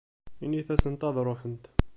Init-asent ad ṛuḥent.